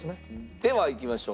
ではいきましょう。